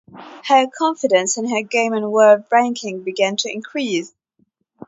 Her confidence in her game and world ranking began to increase.